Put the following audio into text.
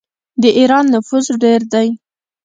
د ایران نفوس ډیر دی.